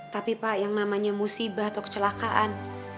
tapi pak yang namanya musibah atau kecelakaan